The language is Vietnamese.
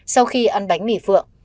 sau khi ăn bánh mì phượng